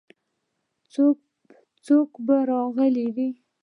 څوک به راغلي وي.